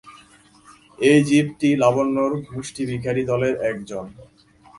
এই জীবটি লাবণ্যর মুষ্টিভিখারিদলের একজন।